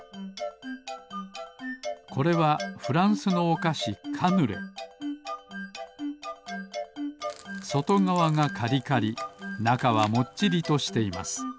これはフランスのおかしそとがわがカリカリなかはもっちりとしています